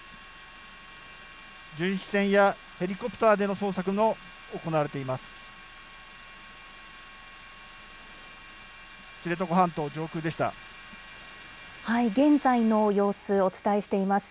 巡視船やヘリコプターでの捜索も行われています。